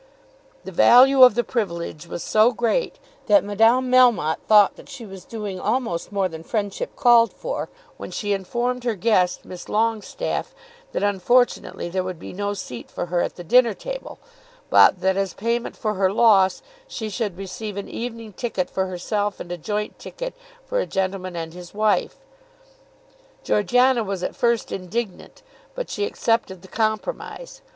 The value of the privilege was so great that Madame Melmotte thought that she was doing almost more than friendship called for when she informed her guest, Miss Longestaffe, that unfortunately there would be no seat for her at the dinner table; but that, as payment for her loss, she should receive an evening ticket for herself and a joint ticket for a gentleman and his wife. Georgiana was at first indignant, but she accepted the compromise.